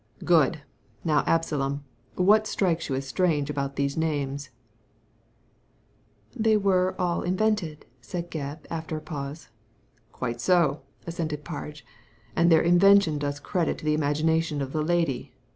"Good I Now, Absalom, what strikes you as strange about these names ?" "They are all invented," said Gebb, after a pause. "Quite so," assented Parge, "and their invention does credit to the imagination of the lady.